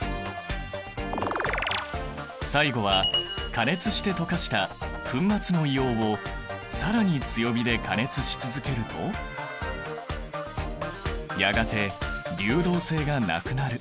最後は加熱して溶かした粉末の硫黄を更に強火で加熱し続けるとやがて流動性がなくなる。